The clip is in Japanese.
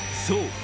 そう！